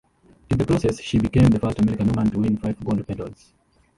In the process she became the first American woman to win five gold medals.